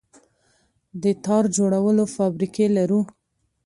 د تار جوړولو فابریکې لرو؟